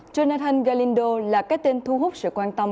gennathan galindo là cái tên thu hút sự quan tâm